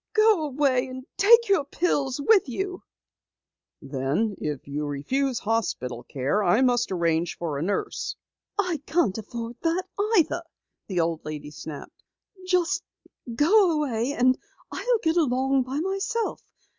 Go away and take your pills with you!" "Then if you refuse hospital care, I must arrange for a nurse." "I can't afford that either," the old lady snapped. "Just go away and I'll get along by myself.